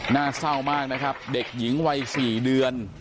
หน้าเศร้ามากนะครับเด็กหญิงวัย๔เดือน